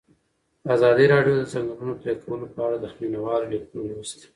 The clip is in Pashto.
ازادي راډیو د د ځنګلونو پرېکول په اړه د مینه والو لیکونه لوستي.